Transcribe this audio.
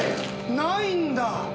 ないんだ！